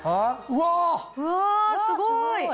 うわすごい！